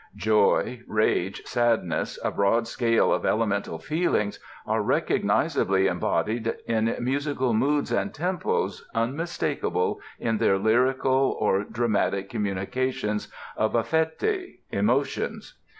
Joy, rage, sadness, a broad scale of elemental feelings, are recognizably embodied in musical moods and tempos unmistakable in their lyrical or dramatic communications of "affetti" ("emotions").